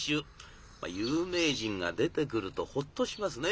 有名人が出てくるとほっとしますね。